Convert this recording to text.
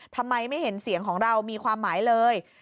ทำไมไม่เห็นเสียงของเรามีความหมายเลย